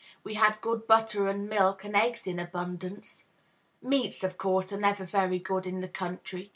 We had good butter and milk, and eggs in abundance. Meats, of course, are never very good in the country.